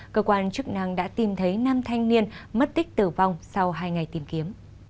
cơ quan chức năng đã tìm thấy năm thanh niên mất tích tử vong sau hai ngày tìm kiếm